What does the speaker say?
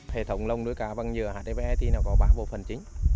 hệ thống lồng nuôi cá bằng nhựa hdv thì nó có ba bộ phần chính